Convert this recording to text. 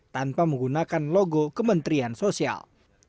tanpa menggunakan logo kementerian sosial